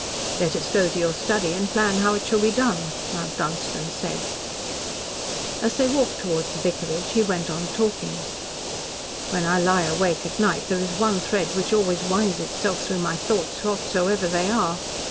"Let us go to your study and plan how it shall be done," Mount Dunstan said. As they walked towards the vicarage, he went on talking. "When I lie awake at night, there is one thread which always winds itself through my thoughts whatsoever they are.